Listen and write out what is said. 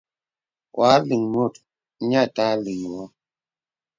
Wa lìŋ mùt nyə àtà liŋ wɨ.